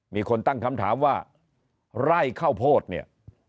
มีคนตั้งคำถามว่าไร่ข้าวโพดเนี่ย